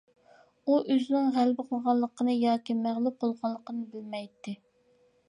ئۇ ئۆزىنىڭ غەلىبە قىلغانلىقىنى ياكى مەغلۇپ بولغانلىقىنى بىلمەيتتى.